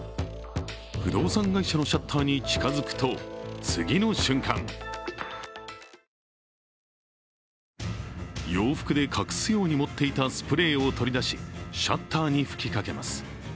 不動産会社のシャッターに近づくと、次の瞬間洋服で隠すように持っていたスプレーを取り出し、シャッターに吹きかけます。